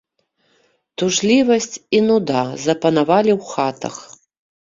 Тужлівасць і нуда запанавалі ў хатах.